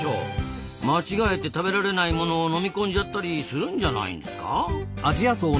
間違えて食べられないものを飲み込んじゃったりするんじゃないんですか？